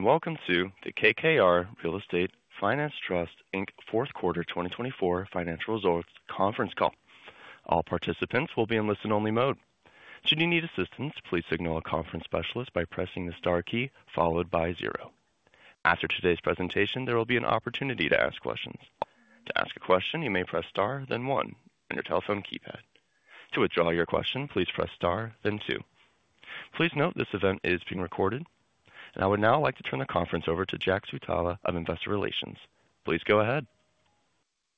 Good morning and welcome to the KKR Real Estate Finance Trust Inc Fourth Quarter 2024 Financial Results Conference Call. All participants will be in listen-only mode. Should you need assistance, please signal a conference specialist by pressing the star key followed by zero. After today's presentation, there will be an opportunity to ask questions. To ask a question, you may press star, then one, on your telephone keypad. To withdraw your question, please press star, then two. Please note this event is being recorded, and I would now like to turn the conference over to Jack Switala of Investor Relations. Please go ahead.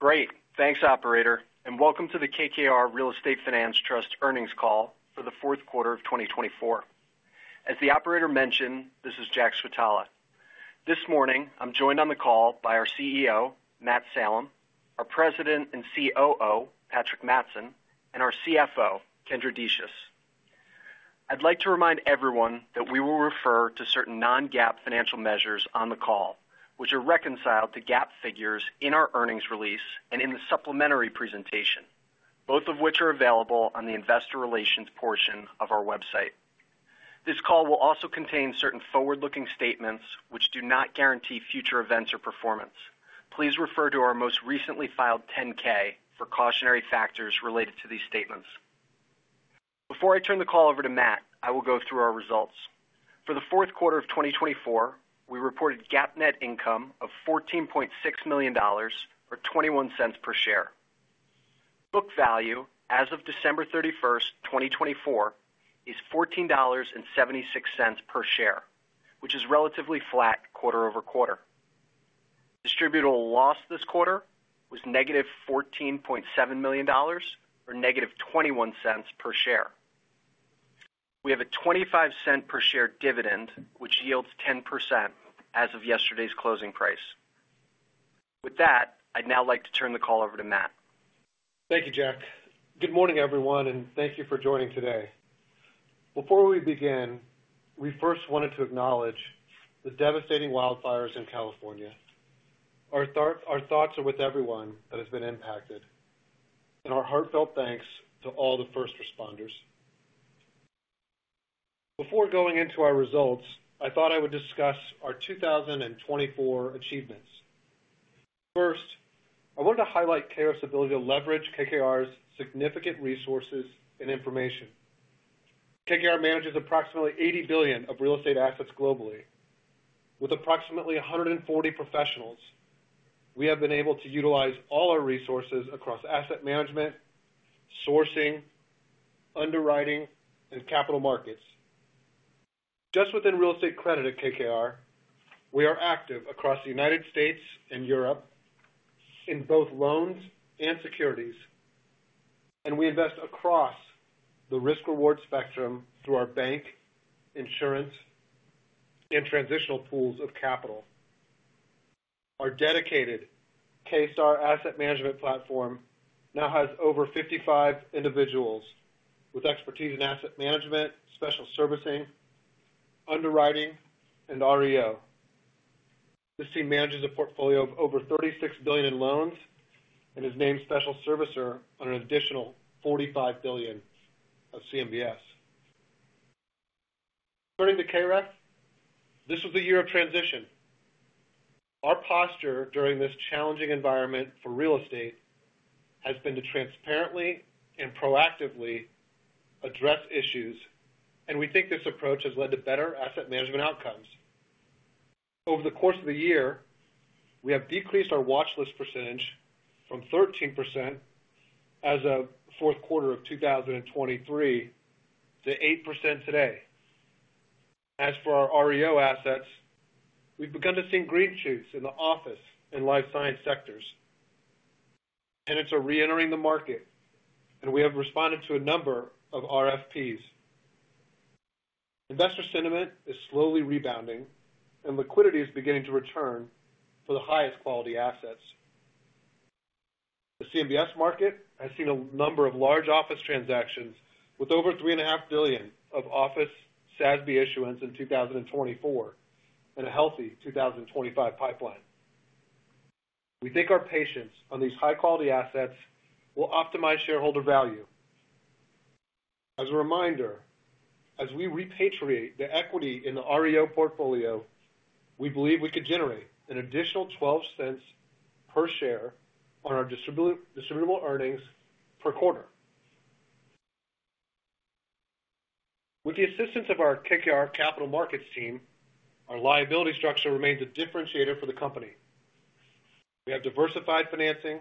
Great. Thanks, Operator, and welcome to the KKR Real Estate Finance Trust Earnings Call for the fourth quarter of 2024. As the Operator mentioned, this is Jack Switala. This morning, I'm joined on the call by our CEO, Matt Salem, our President and COO, Patrick Mattson, and our CFO, Kendra Decious. I'd like to remind everyone that we will refer to certain non-GAAP financial measures on the call, which are reconciled to GAAP figures in our earnings release and in the supplementary presentation, both of which are available on the Investor Relations portion of our website. This call will also contain certain forward-looking statements which do not guarantee future events or performance. Please refer to our most recently filed 10-K for cautionary factors related to these statements. Before I turn the call over to Matt, I will go through our results. For the fourth quarter of 2024, we reported GAAP net income of $14.6 million or $0.21 per share. Book value as of December 31st, 2024, is $14.76 per share, which is relatively flat quarter-over-quarter. Distributable loss this quarter was negative $14.7 million or negative $0.21 per share. We have a $0.25 per share dividend, which yields 10% as of yesterday's closing price. With that, I'd now like to turn the call over to Matt. Thank you, Jack. Good morning, everyone, and thank you for joining today. Before we begin, we first wanted to acknowledge the devastating wildfires in California. Our thoughts are with everyone that has been impacted, and our heartfelt thanks to all the first responders. Before going into our results, I thought I would discuss our 2024 achievements. First, I wanted to highlight KREF's ability to leverage KKR's significant resources and information. KKR manages approximately $80 billion of real estate assets globally. With approximately 140 professionals, we have been able to utilize all our resources across asset management, sourcing, underwriting, and capital markets. Just within real estate credit at KKR, we are active across the United States and Europe in both loans and securities, and we invest across the risk-reward spectrum through our bank, insurance, and transitional pools of capital. Our dedicated K-Star asset management platform now has over 55 individuals with expertise in asset management, special servicing, underwriting, and REO. This team manages a portfolio of over $36 billion in loans and is named special servicer on an additional $45 billion of CMBS. Turning to KREF, this was a year of transition. Our posture during this challenging environment for real estate has been to transparently and proactively address issues, and we think this approach has led to better asset management outcomes. Over the course of the year, we have decreased our watchlist percentage from 13% as of fourth quarter of 2023 to 8% today. As for our REO assets, we've begun to see green shoots in the office and life science sectors. Tenants are re-entering the market, and we have responded to a number of RFPs. Investor sentiment is slowly rebounding, and liquidity is beginning to return for the highest quality assets. The CMBS market has seen a number of large office transactions with over $3.5 billion of office SASB issuance in 2024 and a healthy 2025 pipeline. We think our patience on these high-quality assets will optimize shareholder value. As a reminder, as we repatriate the equity in the REO portfolio, we believe we could generate an additional $0.12 per share on our distributable earnings per quarter. With the assistance of our KKR capital markets team, our liability structure remains a differentiator for the company. We have diversified financing,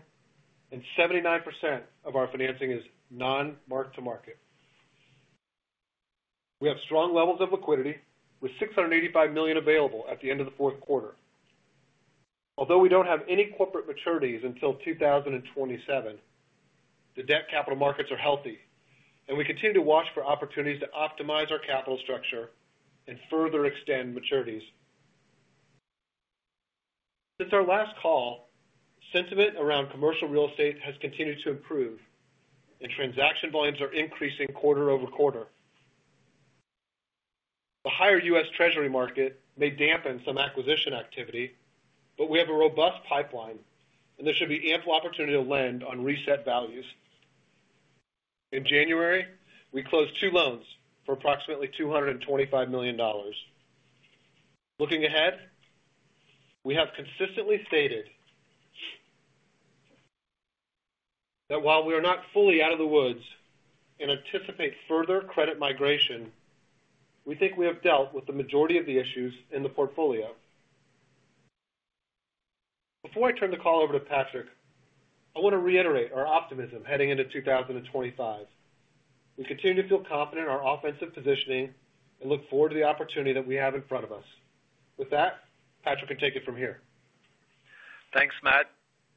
and 79% of our financing is non-mark-to-market. We have strong levels of liquidity, with $685 million available at the end of the fourth quarter. Although we don't have any corporate maturities until 2027, the debt capital markets are healthy, and we continue to watch for opportunities to optimize our capital structure and further extend maturities. Since our last call, sentiment around commercial real estate has continued to improve, and transaction volumes are increasing quarter-over-quarter. The higher U.S. Treasury market may dampen some acquisition activity, but we have a robust pipeline, and there should be ample opportunity to lend on reset values. In January, we closed two loans for approximately $225 million. Looking ahead, we have consistently stated that while we are not fully out of the woods and anticipate further credit migration, we think we have dealt with the majority of the issues in the portfolio. Before I turn the call over to Patrick, I want to reiterate our optimism heading into 2025. We continue to feel confident in our offensive positioning and look forward to the opportunity that we have in front of us. With that, Patrick can take it from here. Thanks, Matt.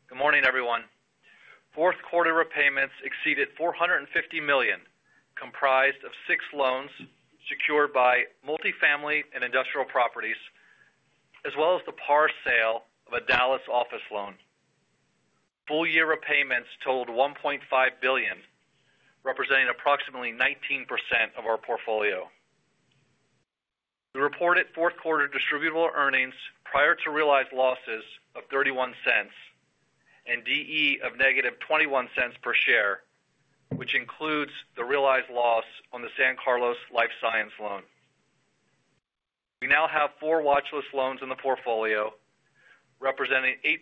Good morning, everyone. Fourth quarter repayments exceeded $450 million, comprised of six loans secured by multifamily and industrial properties, as well as the par sale of a Dallas office loan. Full-year repayments totaled $1.5 billion, representing approximately 19% of our portfolio. We reported fourth quarter distributable earnings prior to realized losses of $0.31 and DE of -$0.21 per share, which includes the realized loss on the San Carlos life science loan. We now have four watchlist loans in the portfolio, representing 8%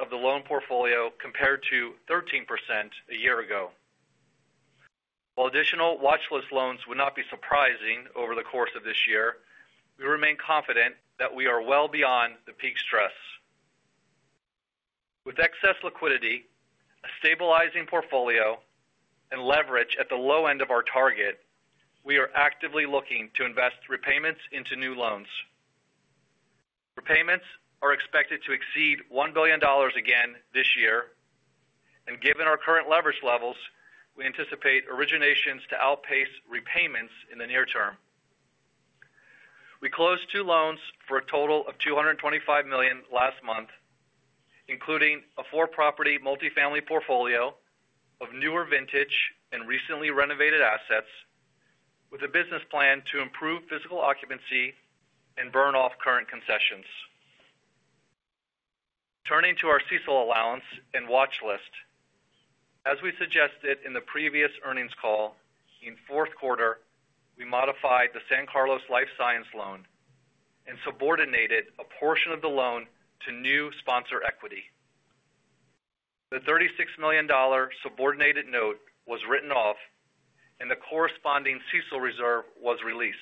of the loan portfolio compared to 13% a year ago. While additional watchlist loans would not be surprising over the course of this year, we remain confident that we are well beyond the peak stress. With excess liquidity, a stabilizing portfolio, and leverage at the low end of our target, we are actively looking to invest repayments into new loans. Repayments are expected to exceed $1 billion again this year, and given our current leverage levels, we anticipate originations to outpace repayments in the near term. We closed two loans for a total of $225 million last month, including a four-property multifamily portfolio of newer vintage and recently renovated assets, with a business plan to improve physical occupancy and burn off current concessions. Turning to our CECL allowance and watchlist, as we suggested in the previous earnings call, in fourth quarter, we modified the San Carlos life science loan and subordinated a portion of the loan to new sponsor equity. The $36 million subordinated note was written off, and the corresponding CECL reserve was released.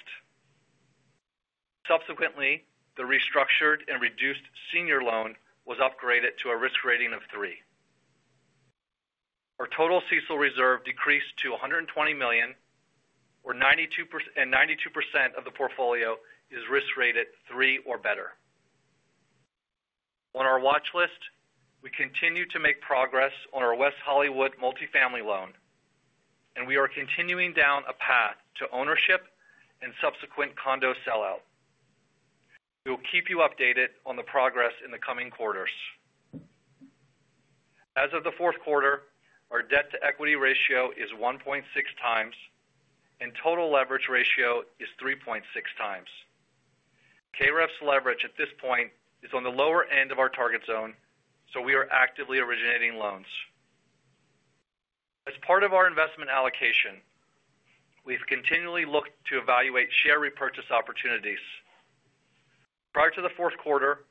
Subsequently, the restructured and reduced senior loan was upgraded to a risk rating of three. Our total CECL reserve decreased to $120 million, and 92% of the portfolio is risk rated three or better. On our watchlist, we continue to make progress on our West Hollywood multifamily loan, and we are continuing down a path to ownership and subsequent condo sellout. We will keep you updated on the progress in the coming quarters. As of the fourth quarter, our debt to equity ratio is 1.6x, and total leverage ratio is 3.6x. KREF's leverage at this point is on the lower end of our target zone, so we are actively originating loans. As part of our investment allocation, we've continually looked to evaluate share repurchase opportunities. Prior to the fourth quarter,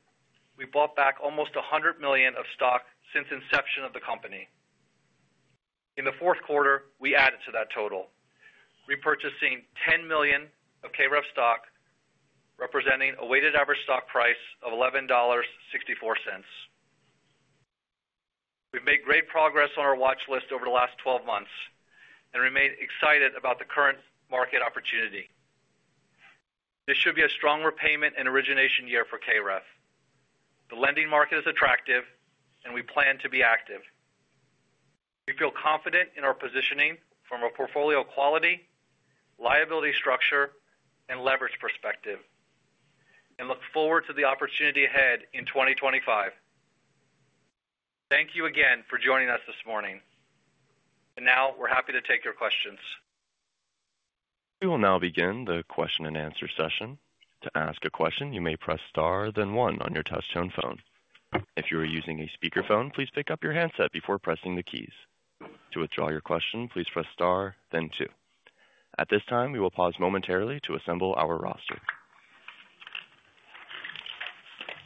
we bought back almost $100 million of stock since inception of the company. In the fourth quarter, we added to that total, repurchasing $10 million of KREF stock, representing a weighted average stock price of $11.64. We've made great progress on our watchlist over the last 12 months, and we remain excited about the current market opportunity. This should be a strong repayment and origination year for KREF. The lending market is attractive, and we plan to be active. We feel confident in our positioning from a portfolio quality, liability structure, and leverage perspective, and look forward to the opportunity ahead in 2025. Thank you again for joining us this morning. And now we're happy to take your questions. We will now begin the question and answer session. To ask a question, you may press star, then one on your touch-tone phone. If you are using a speakerphone, please pick up your handset before pressing the keys. To withdraw your question, please press star, then two. At this time, we will pause momentarily to assemble our roster,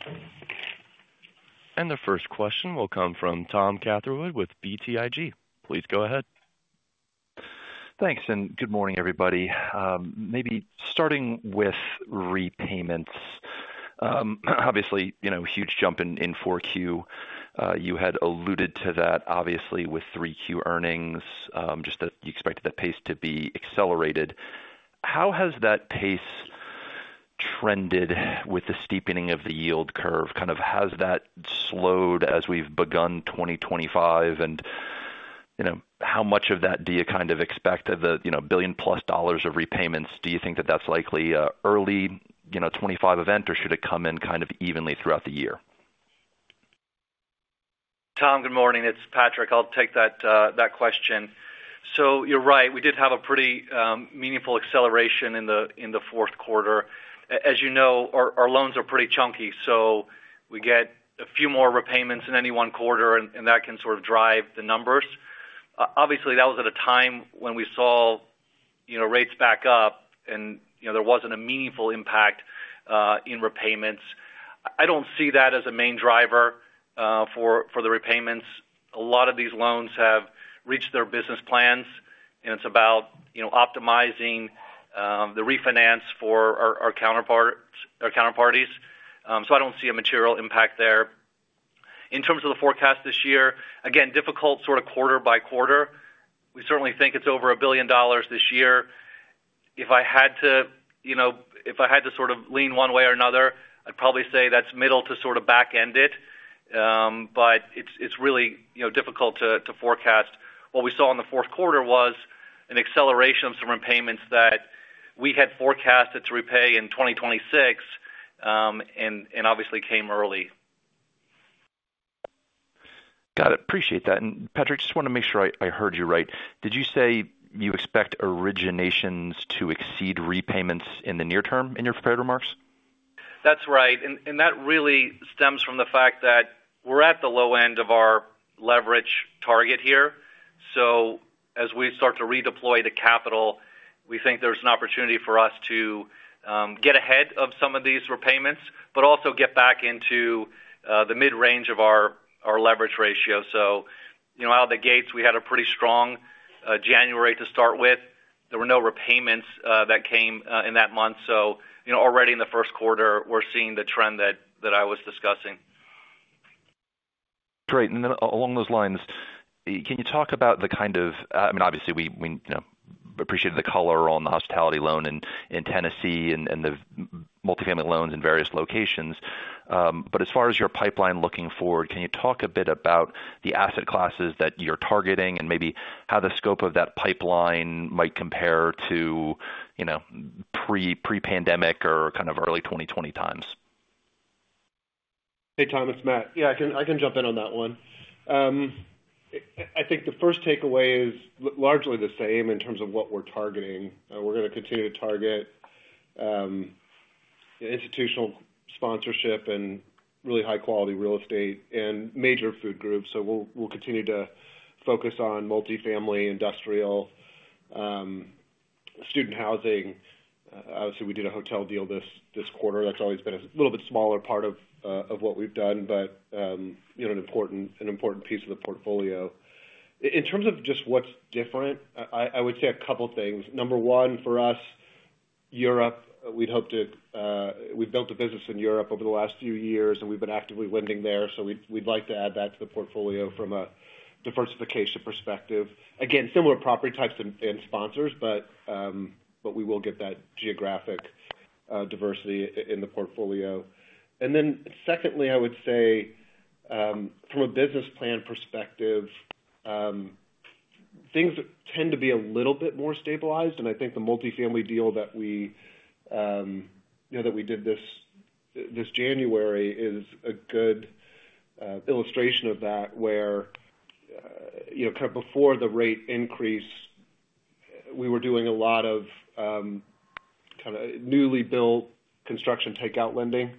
and the first question will come from Tom Catherwood with BTIG. Please go ahead. Thanks, and good morning, everybody. Maybe starting with repayments. Obviously, huge jump in 4Q. You had alluded to that, obviously, with 3Q earnings, just that you expected that pace to be accelerated. How has that pace trended with the steepening of the yield curve? Kind of has that slowed as we've begun 2025? And how much of that do you kind of expect of the $1 billion+ of repayments? Do you think that that's likely an early 2025 event, or should it come in kind of evenly throughout the year? Tom, good morning. It's Patrick. I'll take that question. So you're right. We did have a pretty meaningful acceleration in the fourth quarter. As you know, our loans are pretty chunky, so we get a few more repayments in any one quarter, and that can sort of drive the numbers. Obviously, that was at a time when we saw rates back up, and there wasn't a meaningful impact in repayments. I don't see that as a main driver for the repayments. A lot of these loans have reached their business plans, and it's about optimizing the refinance for our counterparties. So I don't see a material impact there. In terms of the forecast this year, again, difficult sort of quarter by quarter. We certainly think it's over $1 billion this year. If I had to sort of lean one way or another, I'd probably say that's middle to sort of back-end it, but it's really difficult to forecast. What we saw in the fourth quarter was an acceleration of some repayments that we had forecasted to repay in 2026 and obviously came early. Got it. Appreciate that. And Patrick, just want to make sure I heard you right. Did you say you expect originations to exceed repayments in the near term in your prepared remarks? That's right. And that really stems from the fact that we're at the low end of our leverage target here. So as we start to redeploy the capital, we think there's an opportunity for us to get ahead of some of these repayments, but also get back into the mid-range of our leverage ratio. So out of the gates, we had a pretty strong January to start with. There were no repayments that came in that month. So already in the first quarter, we're seeing the trend that I was discussing. Great. And then along those lines, can you talk about the kind of, I mean, obviously, we appreciated the color on the hospitality loan in Tennessee and the multifamily loans in various locations. But as far as your pipeline looking forward, can you talk a bit about the asset classes that you're targeting and maybe how the scope of that pipeline might compare to pre-pandemic or kind of early 2020 times? Hey, Tom, it's Matt. Yeah, I can jump in on that one. I think the first takeaway is largely the same in terms of what we're targeting. We're going to continue to target institutional sponsorship and really high-quality real estate and major food groups. So we'll continue to focus on multifamily, industrial, student housing. Obviously, we did a hotel deal this quarter. That's always been a little bit smaller part of what we've done, but an important piece of the portfolio. In terms of just what's different, I would say a couple of things. Number one, for us, Europe, we'd hope to, we've built a business in Europe over the last few years, and we've been actively lending there. So we'd like to add that to the portfolio from a diversification perspective. Again, similar property types and sponsors, but we will get that geographic diversity in the portfolio. And then, secondly, I would say from a business plan perspective, things tend to be a little bit more stabilized. And I think the multifamily deal that we did this January is a good illustration of that, where kind of before the rate increase, we were doing a lot of kind of newly built construction takeout lending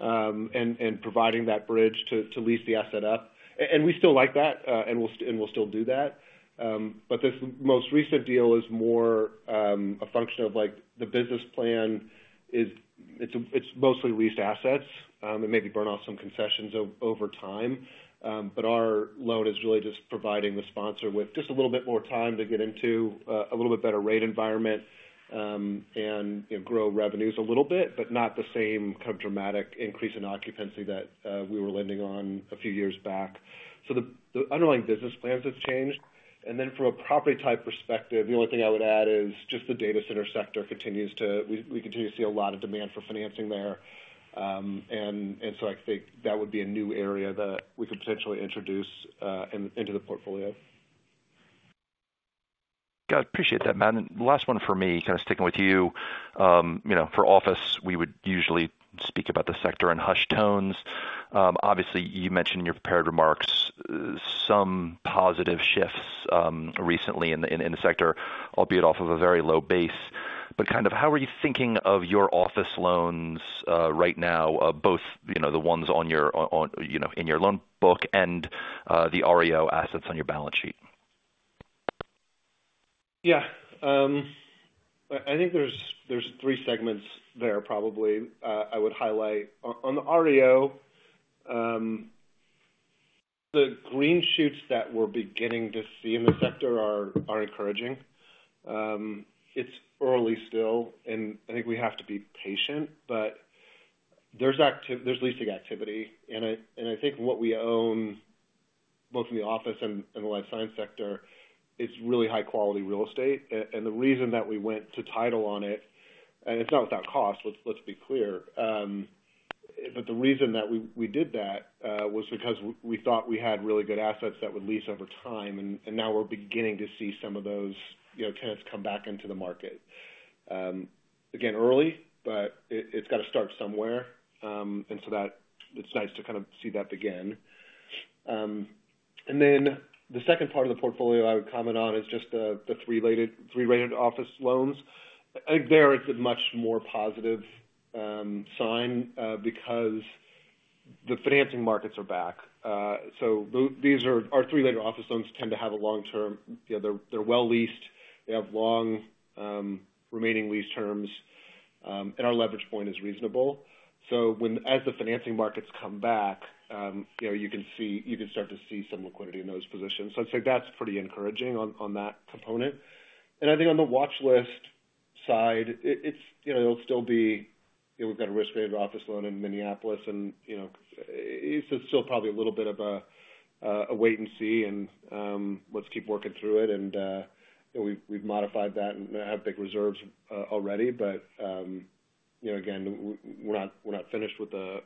and providing that bridge to lease the asset up. And we still like that, and we'll still do that. But this most recent deal is more a function of the business plan. It's mostly leased assets. It may burn off some concessions over time, but our loan is really just providing the sponsor with just a little bit more time to get into a little bit better rate environment and grow revenues a little bit, but not the same kind of dramatic increase in occupancy that we were lending on a few years back. So the underlying business plans have changed. And then from a property type perspective, the only thing I would add is just the data center sector continues to, we continue to see a lot of demand for financing there. And so I think that would be a new area that we could potentially introduce into the portfolio. Got it. Appreciate that, Matt. And last one for me, kind of sticking with you. For office, we would usually speak about the sector in hushed tones. Obviously, you mentioned in your prepared remarks some positive shifts recently in the sector, albeit off of a very low base. But kind of how are you thinking of your office loans right now, both the ones in your loan book and the REO assets on your balance sheet? Yeah. I think there's three segments there probably I would highlight. On the REO, the green shoots that we're beginning to see in the sector are encouraging. It's early still, and I think we have to be patient, but there's leasing activity. And I think what we own, both in the office and the life science sector, it's really high-quality real estate. And the reason that we went to title on it, and it's not without cost, let's be clear, but the reason that we did that was because we thought we had really good assets that would lease over time. And now we're beginning to see some of those tenants come back into the market. Again, early, but it's got to start somewhere. And so it's nice to kind of see that begin. Then the second part of the portfolio I would comment on is just the three-rated office loans. I think there it's a much more positive sign because the financing markets are back. Our three-rated office loans tend to have a long term. They're well-leased. They have long remaining lease terms, and our leverage point is reasonable. As the financing markets come back, you can start to see some liquidity in those positions. I'd say that's pretty encouraging on that component. On the watchlist side, it'll still be we've got a risk-rated office loan in Minneapolis, and it's still probably a little bit of a wait and see, and let's keep working through it. We've modified that and have big reserves already. But again, we're not finished, we're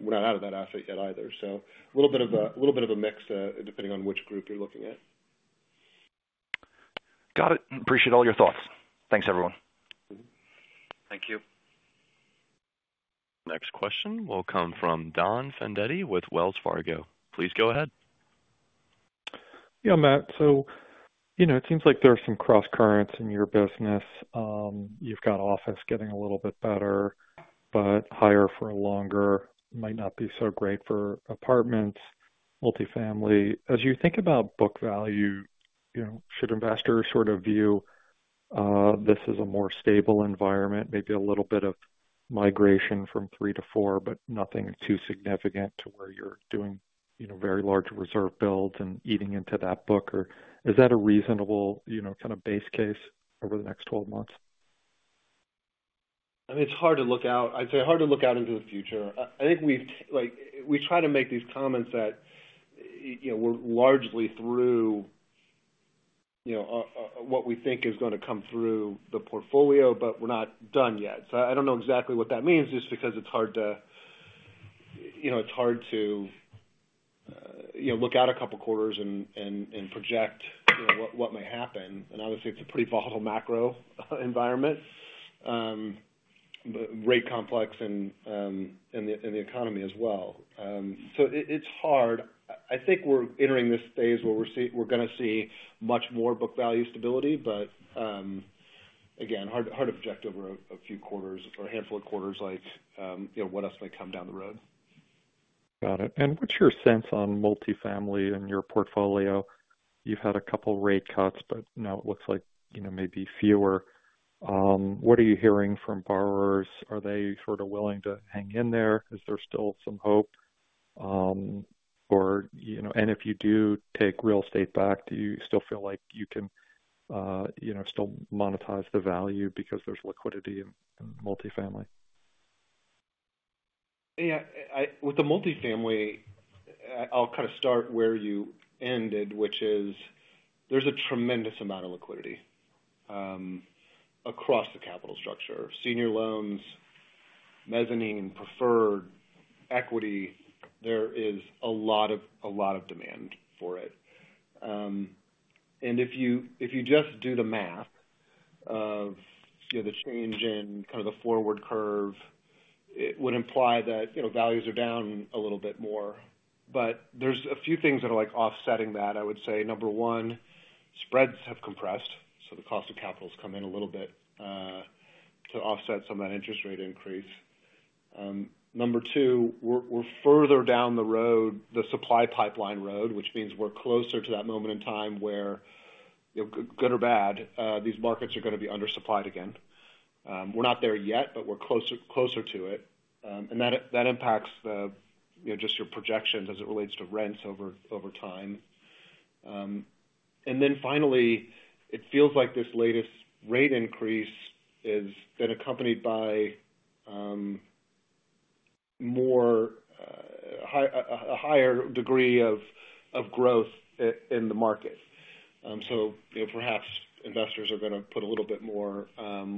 not out of that asset yet either. A little bit of a mix depending on which group you're looking at. Got it. Appreciate all your thoughts. Thanks, everyone. Thank you. Next question will come from Don Fandetti with Wells Fargo. Please go ahead. Yeah, Matt. So it seems like there are some cross currents in your business. You've got office getting a little bit better, but higher for longer might not be so great for apartments, multifamily. As you think about book value, should investors sort of view this as a more stable environment, maybe a little bit of migration from three to four, but nothing too significant to where you're doing very large reserve builds and eating into that book? Or is that a reasonable kind of base case over the next 12 months? I mean, it's hard to look out. I'd say hard to look out into the future. I think we try to make these comments that we're largely through what we think is going to come through the portfolio, but we're not done yet. I don't know exactly what that means just because it's hard to look out a couple of quarters and project what might happen. Obviously, it's a pretty volatile macro environment, rate complex in the economy as well. It's hard. I think we're entering this phase where we're going to see much more book value stability, but again, hard to project over a few quarters or a handful of quarters like what else might come down the road. Got it. And what's your sense on multifamily in your portfolio? You've had a couple of rate cuts, but now it looks like maybe fewer. What are you hearing from borrowers? Are they sort of willing to hang in there? Is there still some hope? And if you do take real estate back, do you still feel like you can still monetize the value because there's liquidity in multifamily? Yeah. With the multifamily, I'll kind of start where you ended, which is there's a tremendous amount of liquidity across the capital structure. Senior loans, mezzanine, preferred equity, there is a lot of demand for it. And if you just do the math of the change in kind of the forward curve, it would imply that values are down a little bit more. But there's a few things that are offsetting that, I would say. Number one, spreads have compressed, so the cost of capital has come in a little bit to offset some of that interest rate increase. Number two, we're further down the road, the supply pipeline road, which means we're closer to that moment in time where, good or bad, these markets are going to be undersupplied again. We're not there yet, but we're closer to it. That impacts just your projections as it relates to rents over time. Then finally, it feels like this latest rate increase has been accompanied by a higher degree of growth in the market. Perhaps investors are going to put a little bit more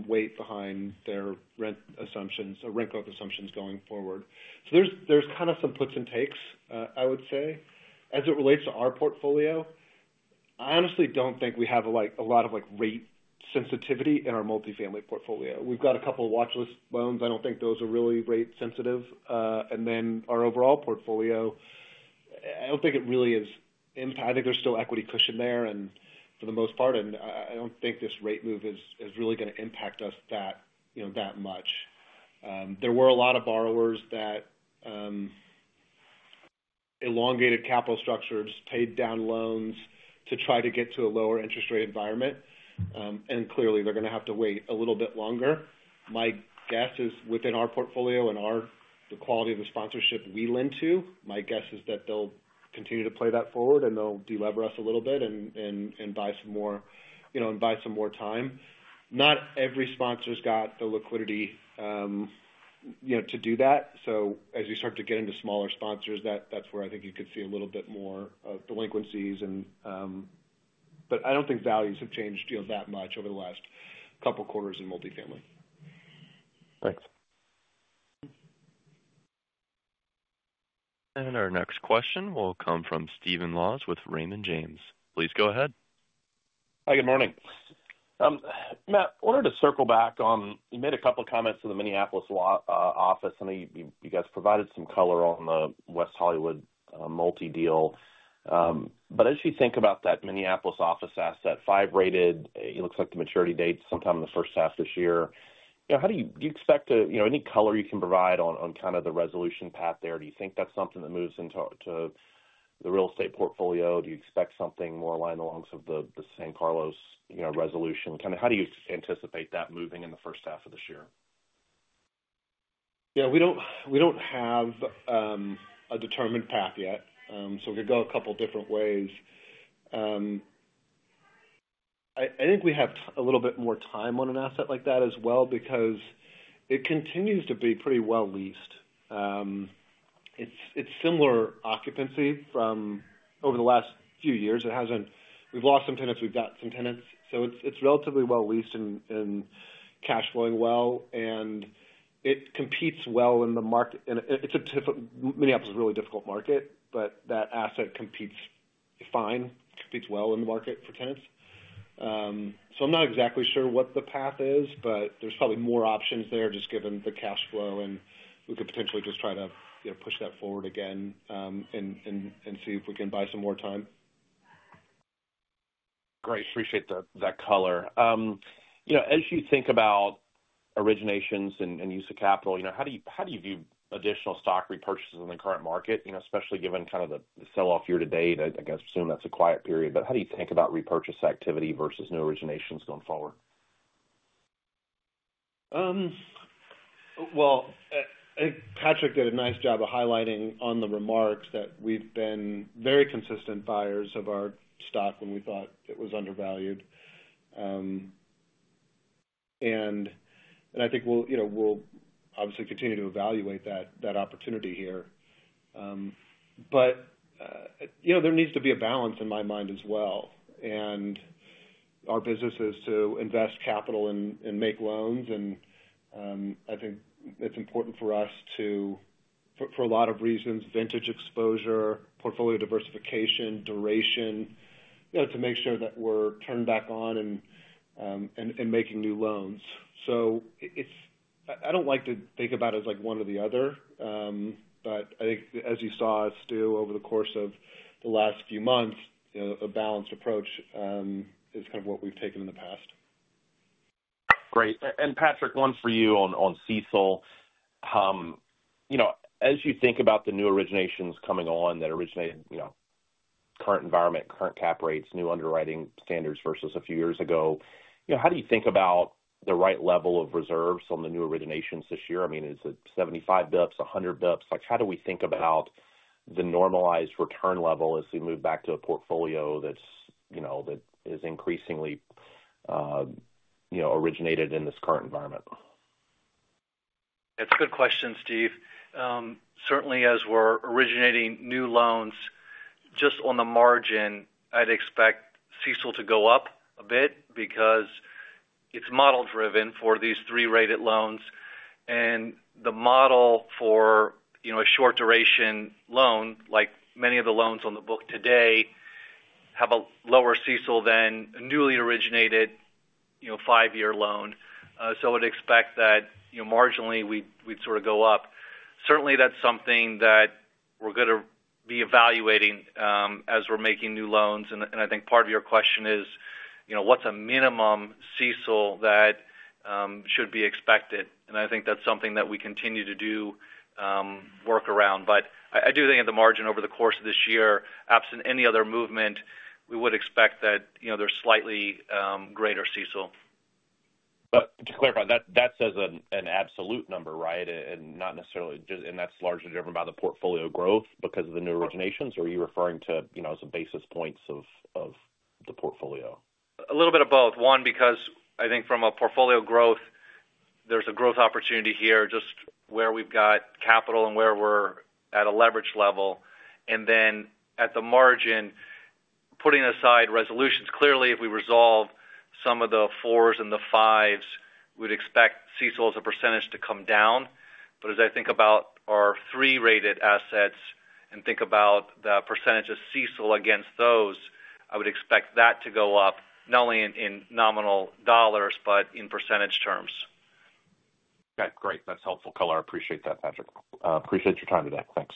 weight behind their rent growth assumptions going forward. There's kind of some puts and takes, I would say. As it relates to our portfolio, I honestly don't think we have a lot of rate sensitivity in our multifamily portfolio. We've got a couple of watchlist loans. I don't think those are really rate sensitive. Then our overall portfolio, I don't think it really is impacted. I think there's still equity cushion there for the most part. I don't think this rate move is really going to impact us that much. There were a lot of borrowers that elongated capital structures, paid down loans to try to get to a lower interest rate environment, and clearly, they're going to have to wait a little bit longer. My guess is within our portfolio and the quality of the sponsorship we lend to, my guess is that they'll continue to play that forward and they'll delever us a little bit and buy some more and buy some more time. Not every sponsor's got the liquidity to do that, so as you start to get into smaller sponsors, that's where I think you could see a little bit more of delinquencies, but I don't think values have changed that much over the last couple of quarters in multifamily. Thanks. And our next question will come from Stephen Laws with Raymond James. Please go ahead. Hi, good morning. Matt, I wanted to circle back on, you made a couple of comments to the Minneapolis office. I know you guys provided some color on the West Hollywood multi-deal. But as you think about that Minneapolis office asset, five-rated, it looks like the maturity date is sometime in the first half of this year. Do you expect any color you can provide on kind of the resolution path there? Do you think that's something that moves into the real estate portfolio? Do you expect something more along the lines of the San Carlos resolution? Kind of how do you anticipate that moving in the first half of this year? Yeah. We don't have a determined path yet. So we could go a couple of different ways. I think we have a little bit more time on an asset like that as well because it continues to be pretty well-leased. It's similar occupancy from over the last few years. We've lost some tenants. We've got some tenants. So it's relatively well-leased and cash flowing well. And it competes well in the market. Minneapolis is a really difficult market, but that asset competes fine, competes well in the market for tenants. So I'm not exactly sure what the path is, but there's probably more options there just given the cash flow. And we could potentially just try to push that forward again and see if we can buy some more time. Great. Appreciate that color. As you think about originations and use of capital, how do you view additional stock repurchases in the current market, especially given kind of the sell-off year to date? I guess I assume that's a quiet period. But how do you think about repurchase activity versus new originations going forward? Patrick did a nice job of highlighting on the remarks that we've been very consistent buyers of our stock when we thought it was undervalued. I think we'll obviously continue to evaluate that opportunity here. There needs to be a balance in my mind as well. Our business is to invest capital and make loans. I think it's important for us to, for a lot of reasons, vintage exposure, portfolio diversification, duration, to make sure that we're turned back on and making new loans. I don't like to think about it as one or the other. I think, as you saw us do over the course of the last few months, a balanced approach is kind of what we've taken in the past. Great. And Patrick, one for you on CECL. As you think about the new originations coming on that originated current environment, current cap rates, new underwriting standards versus a few years ago, how do you think about the right level of reserves on the new originations this year? I mean, is it 75 basis points, 100 basis points? How do we think about the normalized return level as we move back to a portfolio that is increasingly originated in this current environment? That's a good question, Steve. Certainly, as we're originating new loans, just on the margin, I'd expect CECL to go up a bit because it's model-driven for these three-rated loans. And the model for a short-duration loan, like many of the loans on the book today, have a lower CECL than a newly originated five-year loan. So I would expect that marginally we'd sort of go up. Certainly, that's something that we're going to be evaluating as we're making new loans. And I think part of your question is, what's a minimum CECL that should be expected? And I think that's something that we continue to do work around. But I do think at the margin over the course of this year, absent any other movement, we would expect that there's slightly greater CECL. But to clarify, that says an absolute number, right? And not necessarily just, and that's largely driven by the portfolio growth because of the new originations? Or are you referring to some basis points of the portfolio? A little bit of both. One, because I think from a portfolio growth, there's a growth opportunity here just where we've got capital and where we're at a leverage level, and then at the margin, putting aside resolutions, clearly, if we resolve some of the fours and the fives, we would expect CECL as a percentage to come down, but as I think about our three-rated assets and think about the percentage of CECL against those, I would expect that to go up not only in nominal dollars, but in percentage terms. Okay. Great. That's helpful color. I appreciate that, Patrick. Appreciate your time today. Thanks.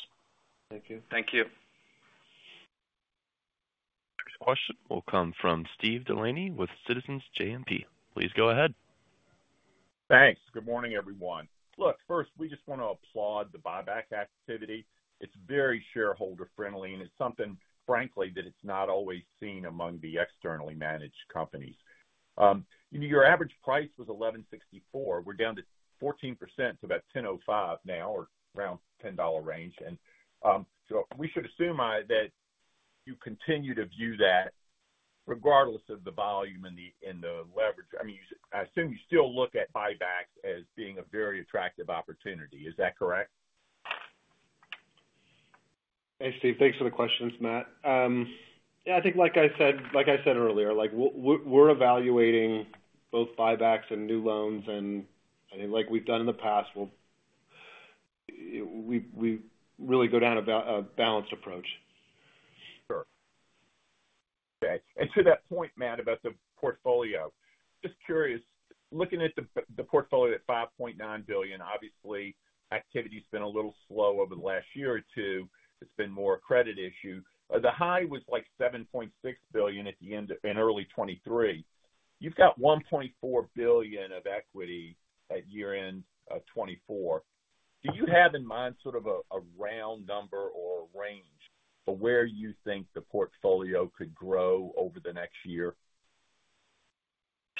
Thank you. Thank you. Next question will come from Steve DeLaney with Citizens JMP. Please go ahead. Thanks. Good morning, everyone. Look, first, we just want to applaud the buyback activity. It's very shareholder-friendly. And it's something, frankly, that it's not always seen among the externally managed companies. Your average price was $11.64. We're down to 14% to about $10.05 now, or around $10 range. And so we should assume that you continue to view that regardless of the volume and the leverage. I mean, I assume you still look at buybacks as being a very attractive opportunity. Is that correct? Hey, Steve, thanks for the questions, Matt. Yeah, I think, like I said earlier, we're evaluating both buybacks and new loans, and I think like we've done in the past, we really go down a balanced approach. Sure. And to that point, Matt, about the portfolio, just curious, looking at the portfolio at $5.9 billion, obviously, activity has been a little slow over the last year or two. It's been more a credit issue. The high was like $7.6 billion at the end in early 2023. You've got $1.4 billion of equity at year-end 2024. Do you have in mind sort of a round number or a range for where you think the portfolio could grow over the next year?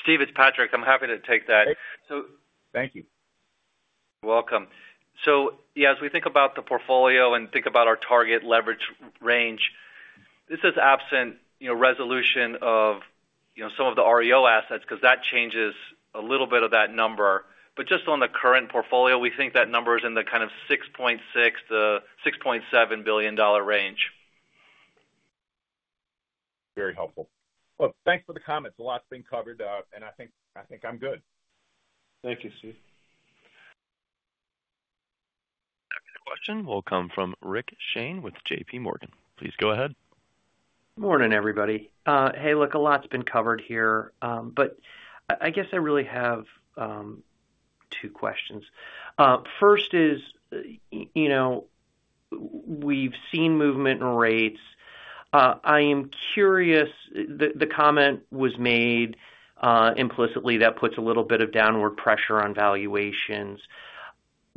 Steve, it's Patrick. I'm happy to take that. Thank you. You're welcome. So yeah, as we think about the portfolio and think about our target leverage range, this is absent resolution of some of the REO assets because that changes a little bit of that number. But just on the current portfolio, we think that number is in the kind of $6.6 billion-$6.7 billion range. Very helpful. Well, thanks for the comments. A lot's been covered. And I think I'm good. Thank you, Steve. Next question will come from Rick Shane with JPMorgan. Please go ahead. Good morning, everybody. Hey, look, a lot's been covered here. But I guess I really have two questions. First is we've seen movement in rates. I am curious, the comment was made implicitly that puts a little bit of downward pressure on valuations.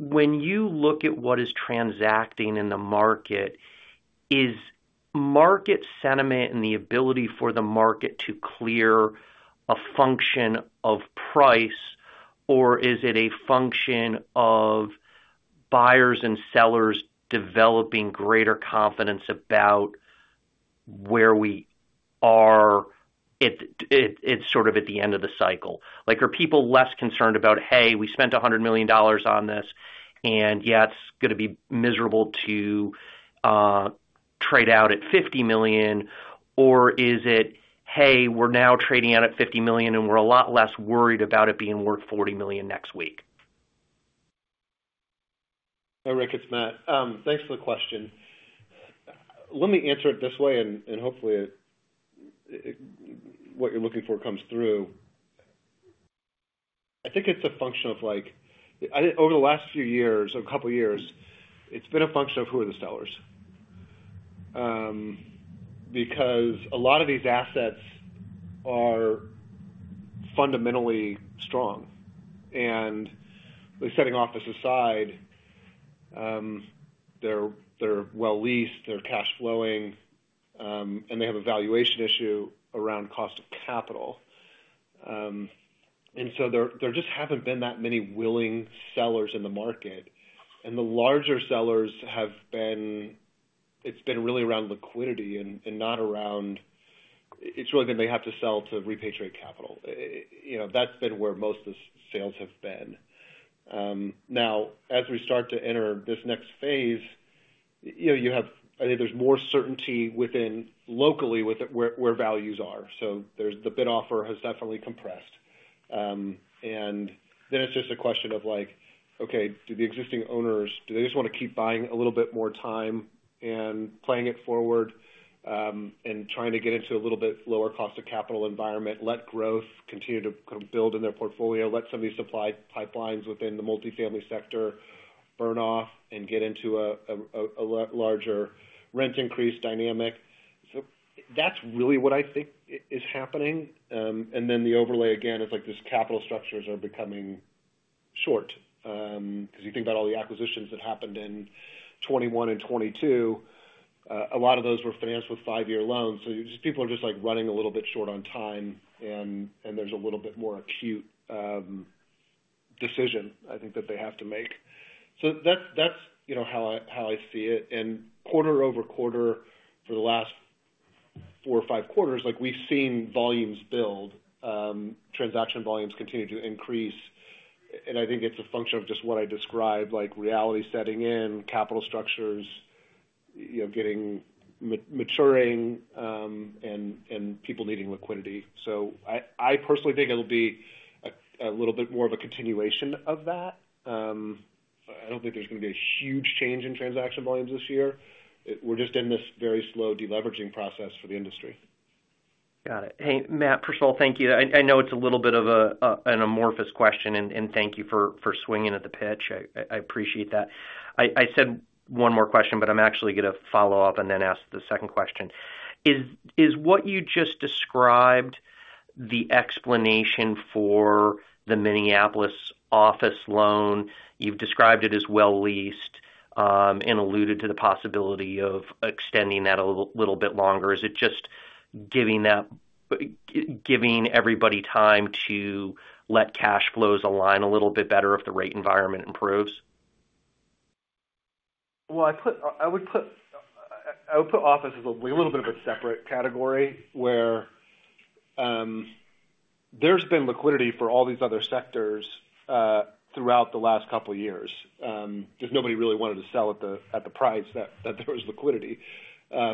When you look at what is transacting in the market, is market sentiment and the ability for the market to clear a function of price, or is it a function of buyers and sellers developing greater confidence about where we are sort of at the end of the cycle? Are people less concerned about, "Hey, we spent $100 million on this, and yet it's going to be miserable to trade out at $50 million"? Or is it, "Hey, we're now trading out at $50 million, and we're a lot less worried about it being worth $40 million next week"? Hey, Rick, it's Matt. Thanks for the question. Let me answer it this way, and hopefully what you're looking for comes through. I think it's a function of, over the last few years, or a couple of years, it's been a function of who are the sellers. Because a lot of these assets are fundamentally strong. And setting office aside, they're well-leased, they're cash flowing, and they have a valuation issue around cost of capital. And so there just haven't been that many willing sellers in the market. And the larger sellers have been. It's been really around liquidity and not around. It's really been they have to sell to repatriate capital. That's been where most of the sales have been. Now, as we start to enter this next phase, I think there's more certainty locally where values are. So the bid offer has definitely compressed. And then it's just a question of, okay, do the existing owners, do they just want to keep buying a little bit more time and playing it forward and trying to get into a little bit lower cost of capital environment, let growth continue to build in their portfolio, let some of these supply pipelines within the multifamily sector burn off and get into a larger rent increase dynamic? So that's really what I think is happening. And then the overlay, again, is this capital structures are becoming short. Because you think about all the acquisitions that happened in 2021 and 2022, a lot of those were financed with five-year loans. So people are just running a little bit short on time, and there's a little bit more acute decision, I think, that they have to make. So that's how I see it. quarter-over-quarter for the last four or five quarters, we've seen volumes build, transaction volumes continue to increase. And I think it's a function of just what I described, reality setting in, capital structures getting maturing, and people needing liquidity. So I personally think it'll be a little bit more of a continuation of that. I don't think there's going to be a huge change in transaction volumes this year. We're just in this very slow deleveraging process for the industry. Got it. Hey, Matt, first of all, thank you. I know it's a little bit of an amorphous question, and thank you for swinging at the pitch. I appreciate that. I said one more question, but I'm actually going to follow up and then ask the second question. Is what you just described the explanation for the Minneapolis office loan? You've described it as well-leased and alluded to the possibility of extending that a little bit longer. Is it just giving everybody time to let cash flows align a little bit better if the rate environment improves? Well, I would put office as a little bit of a separate category where there's been liquidity for all these other sectors throughout the last couple of years. Just nobody really wanted to sell at the price that there was liquidity.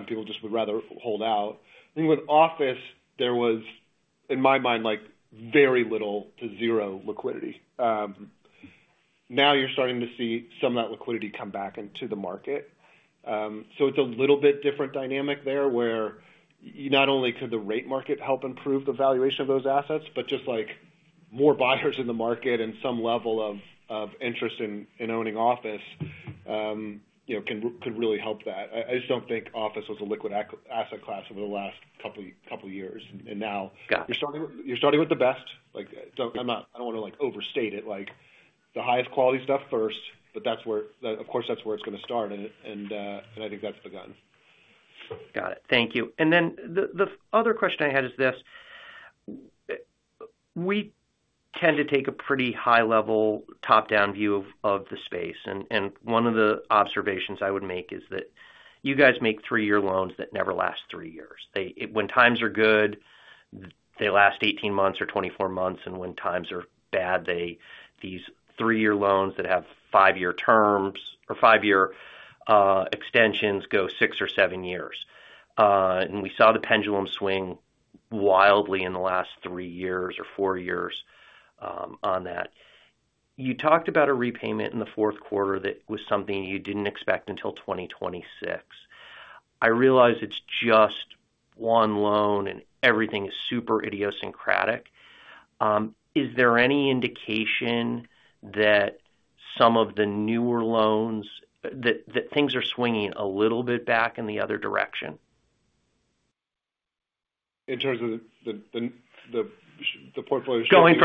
People just would rather hold out. I think with office, there was, in my mind, very little to zero liquidity. Now you're starting to see some of that liquidity come back into the market. So it's a little bit different dynamic there where not only could the rate market help improve the valuation of those assets, but just more buyers in the market and some level of interest in owning office could really help that. I just don't think office was a liquid asset class over the last couple of years. And now you're starting with the best. I don't want to overstate it. The highest quality stuff first, but of course, that's where it's going to start, and I think that's the gun. Got it. Thank you. And then the other question I had is this: we tend to take a pretty high-level top-down view of the space. And one of the observations I would make is that you guys make three-year loans that never last three years. When times are good, they last 18 months or 24 months. And when times are bad, these three-year loans that have five-year terms or five-year extensions go six or seven years. And we saw the pendulum swing wildly in the last three years or four years on that. You talked about a repayment in the fourth quarter that was something you didn't expect until 2026. I realize it's just one loan, and everything is super idiosyncratic. Is there any indication that some of the newer loans, that things are swinging a little bit back in the other direction? In terms of the portfolio? Going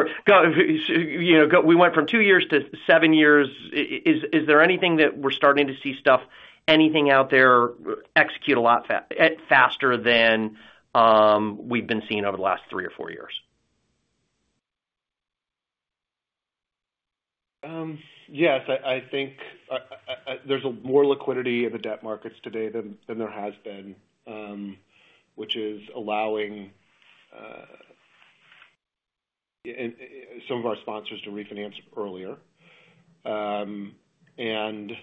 from two years to seven years, is there anything that we're starting to see stuff, anything out there execute a lot faster than we've been seeing over the last three or four years? Yes. I think there's more liquidity of the debt markets today than there has been, which is allowing some of our sponsors to refinance earlier. And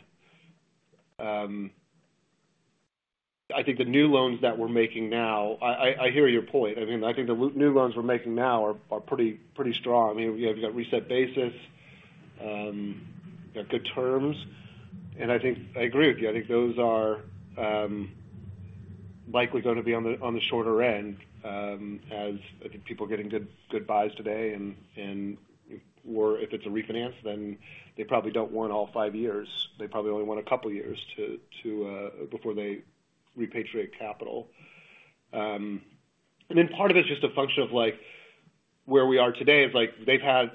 I think the new loans that we're making now, I hear your point. I mean, I think the new loans we're making now are pretty strong. I mean, we've got reset basis, got good terms. And I agree with you. I think those are likely going to be on the shorter end as I think people are getting good buys today. And if it's a refinance, then they probably don't want all five years. They probably only want a couple of years before they repatriate capital. And then part of it's just a function of where we are today.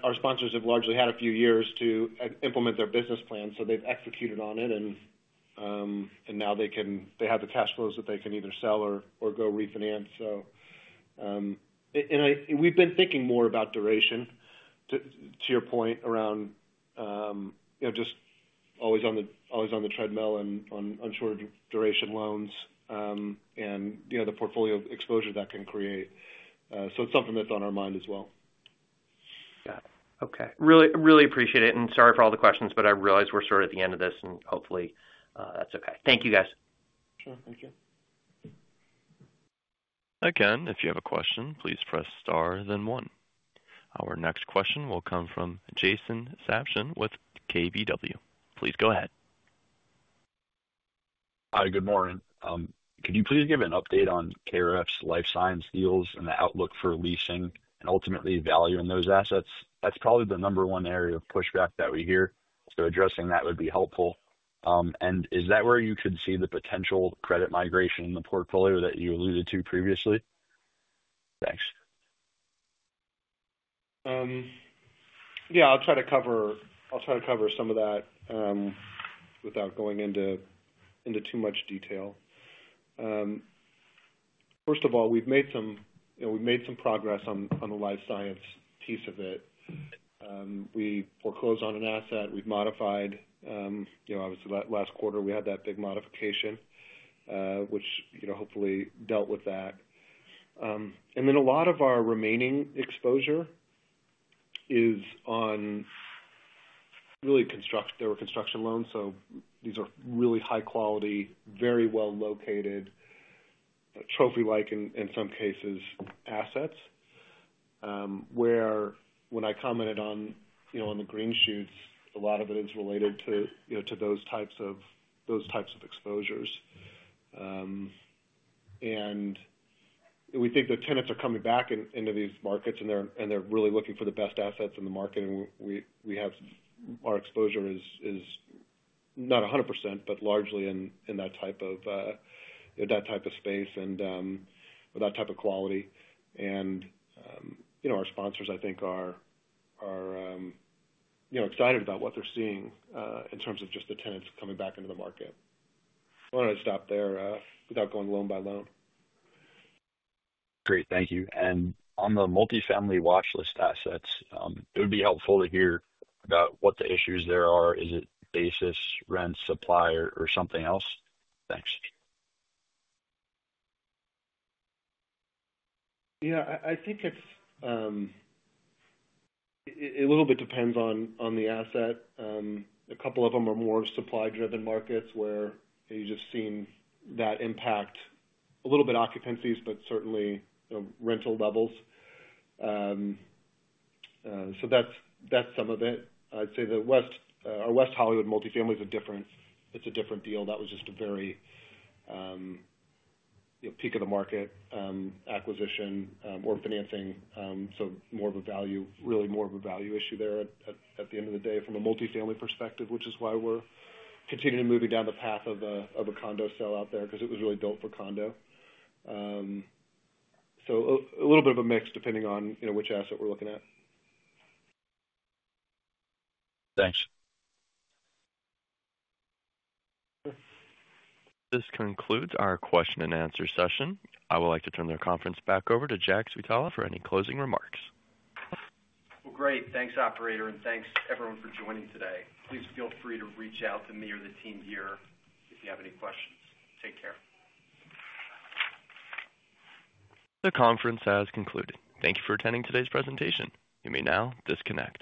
Our sponsors have largely had a few years to implement their business plan. So they've executed on it, and now they have the cash flows that they can either sell or go refinance. And we've been thinking more about duration, to your point, around just always on the treadmill and on shorter duration loans and the portfolio exposure that can create. So it's something that's on our mind as well. Got it. Okay. Really appreciate it. And sorry for all the questions, but I realize we're sort of at the end of this, and hopefully that's okay. Thank you, guys. Sure. Thank you. Again, if you have a question, please press star, then one. Our next question will come from Jason Sabshon with KBW. Please go ahead. Hi, good morning. Can you please give an update on KREF's life science deals and the outlook for leasing and ultimately value in those assets? That's probably the number one area of pushback that we hear. So addressing that would be helpful. And is that where you could see the potential credit migration in the portfolio that you alluded to previously? Thanks. Yeah, I'll try to cover some of that without going into too much detail. First of all, we've made some progress on the life science piece of it. We foreclosed on an asset. We've modified. Obviously, last quarter, we had that big modification, which hopefully dealt with that. And then a lot of our remaining exposure is on really construction. There were construction loans, so these are really high-quality, very well-located, trophy-like in some cases assets. Where when I commented on the green shoots, a lot of it is related to those types of exposures. And we think the tenants are coming back into these markets, and they're really looking for the best assets in the market. And our exposure is not 100%, but largely in that type of space and that type of quality. Our sponsors, I think, are excited about what they're seeing in terms of just the tenants coming back into the market. I want to stop there without going loan by loan. Great. Thank you. And on the multifamily watchlist assets, it would be helpful to hear about what the issues there are. Is it basis, rent, supply, or something else? Thanks. Yeah. I think it's a little bit depends on the asset. A couple of them are more supply-driven markets where you've just seen that impact, a little bit occupancies, but certainly rental levels. So that's some of it. I'd say our West Hollywood multifamily is a different deal. That was just a very peak of the market acquisition or financing. So more of a value, really more of a value issue there at the end of the day from a multifamily perspective, which is why we're continuing to move down the path of a condo sale out there because it was really built for condo. So a little bit of a mix depending on which asset we're looking at. Thanks. This concludes our question and answer session. I would like to turn the conference back over to Jack Switala for any closing remarks. Great. Thanks, operator. Thanks, everyone, for joining today. Please feel free to reach out to me or the team here if you have any questions. Take care. The conference has concluded. Thank you for attending today's presentation. You may now disconnect.